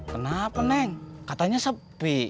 kenapa neng katanya sepi